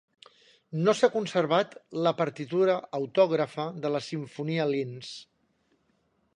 No s'ha conservat la partitura autògrafa de la simfonia "Linz".